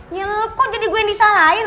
nyelup kok jadi gue yang disalahin